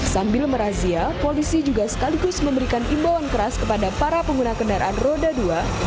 sambil merazia polisi juga sekaligus memberikan imbauan keras kepada para pengguna kendaraan roda dua